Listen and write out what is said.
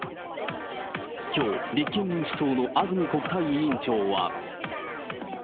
きょう立憲民主党の安住国対委員長は。